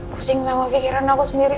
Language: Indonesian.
pusing sama pikiran aku sendiri